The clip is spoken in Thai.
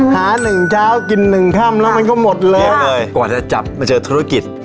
หาหนึ่งเช้ากินหนึ่งค่ำแล้วมันก็หมดเลยกว่าจะจับมาเจอธุรกิจ